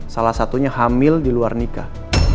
salah satunya hamil di luar nikah